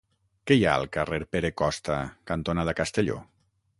Què hi ha al carrer Pere Costa cantonada Castelló?